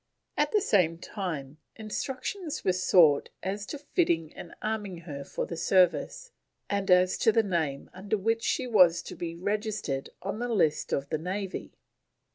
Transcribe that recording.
At the same time, instructions were sought as to fitting and arming her for the service, and as to the name under with she was to be registered on the list of the Navy.